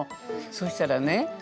そしたらね